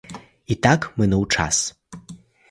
І так минав час.